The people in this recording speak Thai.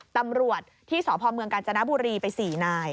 ตำรวจที่สพเมืองกาญจนบุรีไป๔นาย